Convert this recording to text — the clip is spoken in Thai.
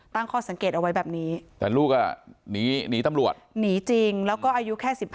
ตั้งข้อสังเกตเอาไว้แบบนี้แต่ลูกอ่ะหนีตำรวจหนีจริงแล้วก็อายุแค่๑๕